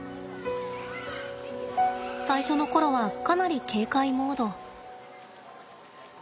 最初の頃はかなり警戒モード。